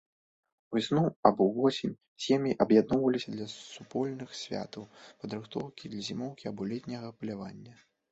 Увесну або ўвосень сем'і аб'ядноўваліся для супольных святаў, падрыхтоўкі для зімоўкі або летняга палявання.